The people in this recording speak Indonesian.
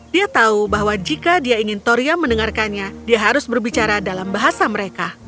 dia tahu bahwa jika dia ingin toria mendengarkannya dia harus berbicara dalam bahasa mereka